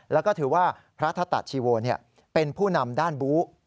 แล้วก็ถือว่าพระธตะชีโวเป็นผู้นำด้านบู๊